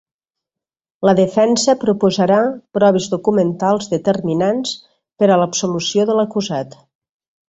La defensa proposarà proves documentals determinants per a l'absolució de l'acusat.